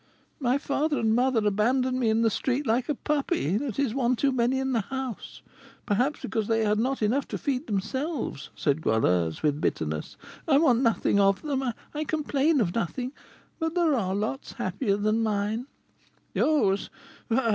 "My father and mother abandoned me in the street like a puppy that is one too many in the house; perhaps they had not enough to feed themselves," said Goualeuse, with bitterness. "I want nothing of them, I complain of nothing, but there are lots happier than mine." "Yours!